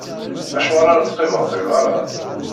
Acuɣeṛ ara teqqimeḍ di beṛṛa?